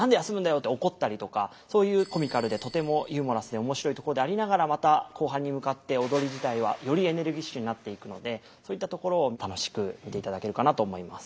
って怒ったりとかそういうコミカルでとてもユーモラスで面白いところでありながらまた後半に向かって踊り自体はよりエネルギッシュになっていくのでそういったところを楽しく見ていただけるかなと思います。